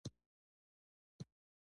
ښوروا له هر زړه سره مرسته کوي.